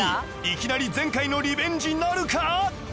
いきなり前回のリベンジなるか？